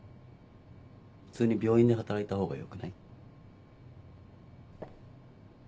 普通に病院で働いた方がよくない？